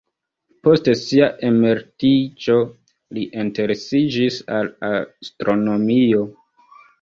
Post sia emeritiĝo li interesiĝis al astronomio.